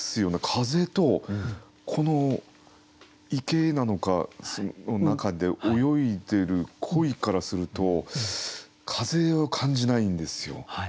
風とこの池なのかその中で泳いでる鯉からすると風を感じないんですよ。